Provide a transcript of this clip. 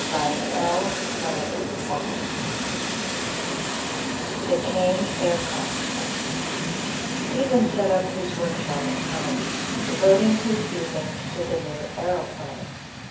CHAPTER III THE KANE AIRCRAFT Stephen set up his workshop at home, devoting his evenings to the new aëroplane.